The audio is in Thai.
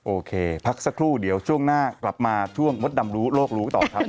โอเคพักสักครู่เดี๋ยวช่วงหน้ากลับมาช่วงมดดำรู้โลกรู้ต่อครับ